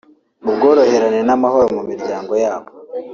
ubworoherane n’amahoro mu miryango yabo